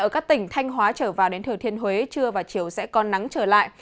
các tỉnh thanh hóa trở vào đến thời thiên huế trưa và chiều sẽ còn nắng trở lại